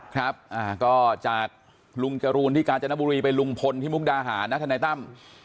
ครับก็จากลุงจรูนที่กาญจนบุรีไปลุงพลที่มุกดาหารนะทนายตั้ม